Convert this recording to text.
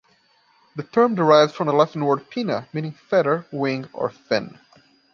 The term derives from the Latin word "pinna" meaning "feather", "wing", or "fin".